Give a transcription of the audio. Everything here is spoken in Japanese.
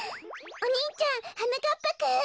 お兄ちゃんはなかっぱくん！